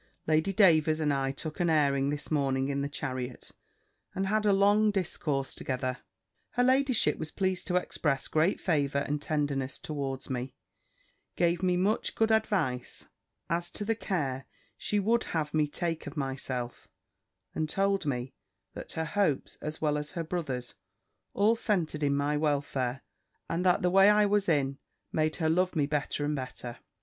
Lady Davers and I took an airing this morning in the chariot, and had a long discourse together. Her ladyship was pleased to express great favour and tenderness towards me; gave me much good advice, as to the care she would have me take of myself; and told me, that her hopes, as well as her brother's, all centred in my welfare; and that the way I was in made her love me better and better.